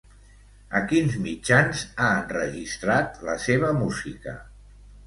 A quins mitjans ha enregistrat la seva música?